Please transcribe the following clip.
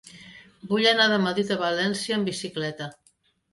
Vull anar de Madrid a València en bicicleta.